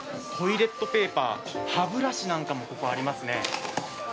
トイレットペーパー、歯ブラシなんかも、ここありますね